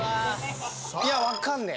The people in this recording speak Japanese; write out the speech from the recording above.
いやわかんねえ。